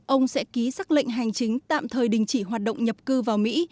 ông sẽ ký xác lệnh hành chính tạm thời đình chỉ hoạt động nhập cư vào mỹ